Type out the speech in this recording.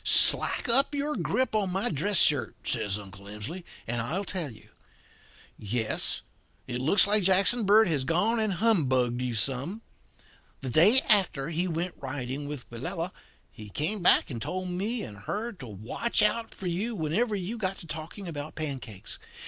"'Slack up your grip in my dress shirt,' says Uncle Emsley, 'and I'll tell you. Yes, it looks like Jackson Bird has gone and humbugged you some. The day after he went riding with Willella he came back and told me and her to watch out for you whenever you got to talking about pancakes.